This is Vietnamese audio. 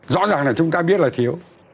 rõ ràng là chúng ta biết là thiếu